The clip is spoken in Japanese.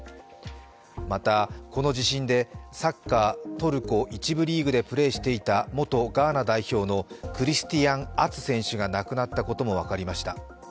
また、この地震でサッカートルコ１部リーグでプレーしていた元ガーナ代表のクリスティアン・アツ選手が亡くなったことも分かりました。